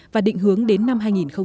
và định hướng đến năm hai nghìn ba mươi